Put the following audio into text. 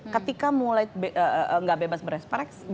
ketika mulai gak bebas berekspresi